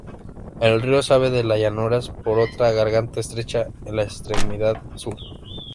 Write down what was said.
El río sale de la llanuras por otra garganta estrecha en la extremidad sur.